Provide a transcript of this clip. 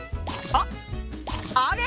あっあれ